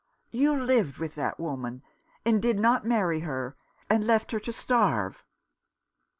You lived with that woman, and did not marry her, and left her to starve."